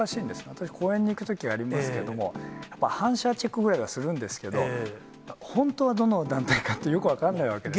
私、講演に行くときありますけど、反社チェックぐらいはするんですけど、本当はどの団体かって、よく分かんないわけです。